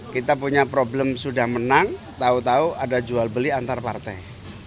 kita punya problem sudah menang tahu tahu ada jual beli antar partai